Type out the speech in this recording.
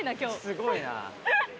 すごいな。